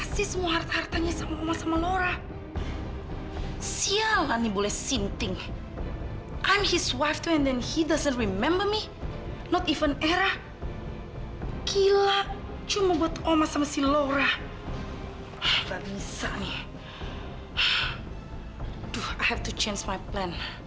sampai jumpa di video selanjutnya